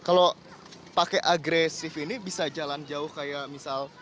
kalau pakai agresif ini bisa jalan jauh kayak misal